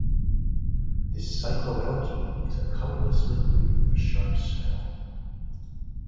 This cycloalkene is a colorless liquid with a sharp smell.